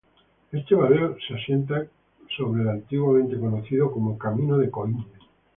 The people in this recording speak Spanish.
Este barrio se asienta sobre el antiguamente conocido como "Camino de Coín".